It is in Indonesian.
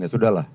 ya sudah lah